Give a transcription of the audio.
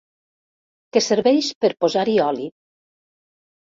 Que serveix per posar-hi oli.